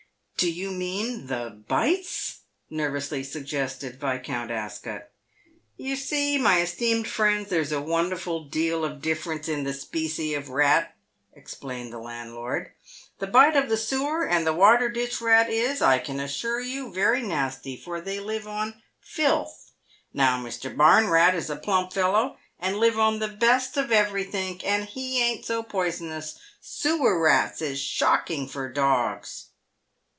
" Do you mean the bites?" nervously suggested Viscount Ascot. " You see, my esteemed friends, there's a wonderful deal of dif ference in the specie of rat," explained the landlord. " The bite of the sewer and water ditch rat is, I can assure you, very nasty, for they live on filth. Now Mr. Barn rat is a plump fellow, and live on the best of everythink, and he ain't so poisonous. Sewer rats is shocking for dogs."